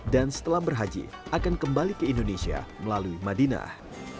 dan setelah berhaji akan kembali ke indonesia melalui madinah